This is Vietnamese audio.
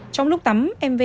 trong lúc tắm em v